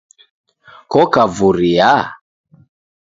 koka Vuria?